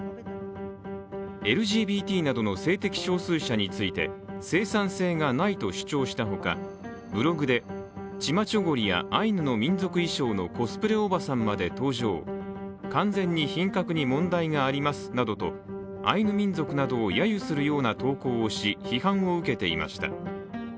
ＬＧＢＴなどの性的少数者について生産性がないと主張したほか、ブログでチマチョゴリやアイヌの民族衣装のコスプレおばさんまで登場、完全に品格に問題がありますなどとアイヌ民族などをやゆするような投稿をし批判を受けていました。